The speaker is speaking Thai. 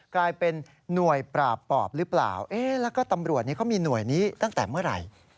กลายเป็นหน่วยปราบปอบหรือเปล่าแล้วก็ตำรวจนี้เขามีหน่วยนี้ตั้งแต่เมื่อไหร่